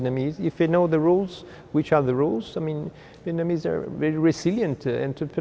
nếu chúng ta biết các thông tin